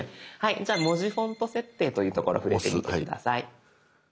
じゃあ「文字フォント設定」というところ触れてみて下さい。